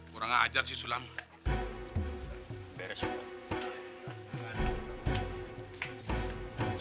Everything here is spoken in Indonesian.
kurang ajar sih sulam beres sulam